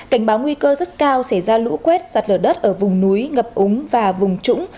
cảnh báo nguy cơ rất cao xảy ra lũ quét sạt lở đất ở vùng núi ngập úng và vùng trũng